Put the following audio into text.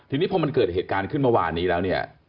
ทีนี้พอมันเกิดเหตุการณ์ขึ้นเมื่อวานนี้แล้วเนี่ย